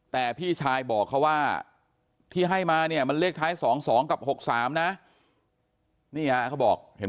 แต่พี่ชายบอกเขาว่าที่ให้มามันเลขท้าย๒๒กับ๖๓